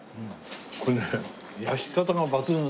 これね焼き方が抜群。